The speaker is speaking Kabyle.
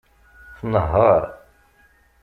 Tnehheṛ.